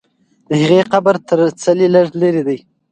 د هغې قبر تر څلي لږ لرې دی.